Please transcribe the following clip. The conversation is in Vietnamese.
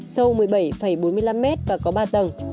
sâu một mươi bảy bốn mươi năm m và có ba tầng